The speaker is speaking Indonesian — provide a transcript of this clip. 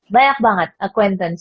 banyak banget acquaintance